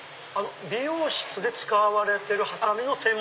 美容室で使われてるハサミの専門。